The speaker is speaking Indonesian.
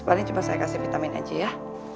paling cuma saya kasih vitamin aja ya